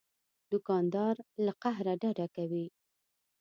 دوکاندار له قهره ډډه کوي.